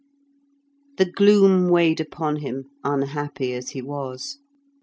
The gloom weighed upon him, unhappy as he was.